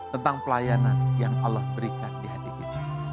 tentang pelayanan yang allah berikan di hati kita